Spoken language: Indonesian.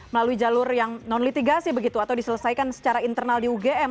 melalui jalur yang non litigasi begitu atau diselesaikan secara internal di ugm